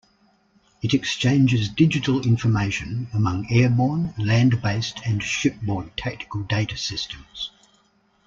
It exchanges digital information among airborne, land-based, and ship-board tactical data systems.